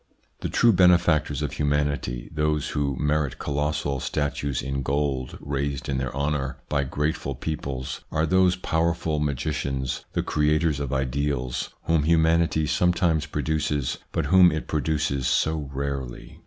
The true benefactors of humanity, those who merit colossal statues in gold raised in their honour by grateful peoples, are those powerful magicians, the creators of ideals, whom humanity sometimes produces, but whom it produces so rarely.